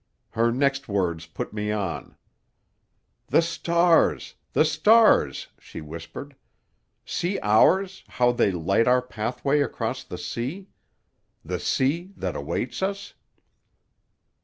Her next words put me on. "'The stars! The stars!' she whispered. 'See ours, how they light our pathway across the sea. The sea that awaits us!